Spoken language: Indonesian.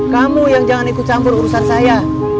kamu yang jangan ikut campur urusan saya